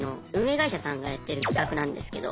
会社さんがやってる企画なんですけど。